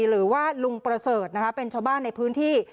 หรือว่าลุงประเสริฐนะคะเป็นชาวบ้านในพื้นที่